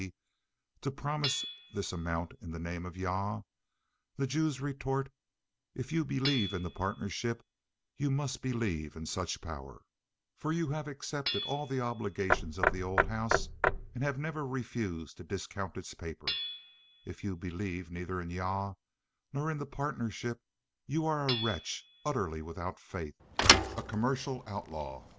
B. to promise this amount in the name of Jah? the Jews retort: "If you believe in the partnership, you must believe in such power, for you have accepted all the obligations of the old house, and have never refused to discount its paper: if you believe neither in Jah nor in the partnership, you are a wretch utterly without faith, a commercial outlaw."